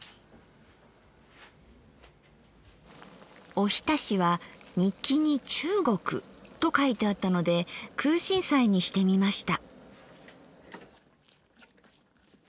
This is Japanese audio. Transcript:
おひたしは日記に「中国」と書いてあったので空心菜にしてみました。